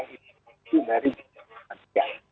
itu dari kita